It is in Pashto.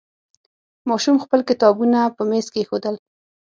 ماشوم خپل کتابونه په میز کېښودل.